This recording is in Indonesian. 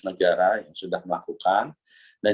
negara yang sudah melakukan dan